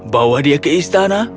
bawa dia ke istana